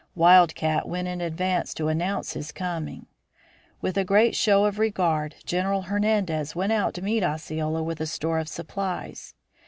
Wild Cat went in advance to announce his coming. With a great show of regard General Hernandez went out to meet Osceola with a store of supplies.